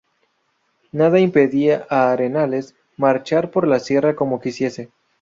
Nada impedía a Arenales marchar por la sierra como quisiese.